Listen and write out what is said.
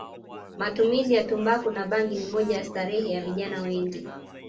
Matumizi ya tumbaku na bangi ni moja ya starehe ya vijna wengi